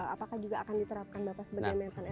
apakah juga akan diterapkan bapak